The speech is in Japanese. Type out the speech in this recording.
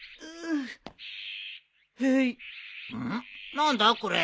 何だこれ。